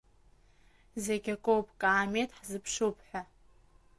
Зегь акоуп каамеҭ ҳзыԥшуп ҳәа.